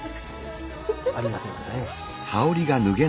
ありがとうございます。